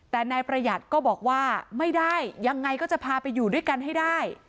แต่นายประหยัดก็บอกว่าไม่ได้ยังไงก็จะพาไปอยู่ด้วยกันให้ได้